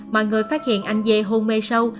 mọi người phát hiện anh dê hôn mê sâu